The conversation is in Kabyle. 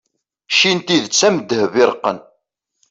cci n tidet am ddheb iṛeqqen